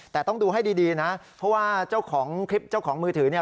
แต่ต้องดูให้ดีนะเพราะว่าเจ้าของคลิปเจ้าของมือถือเนี่ย